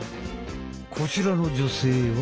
こちらの女性は。